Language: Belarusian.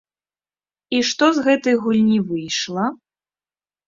І што з гэтай гульні выйшла?